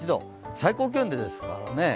最高気温でですからね。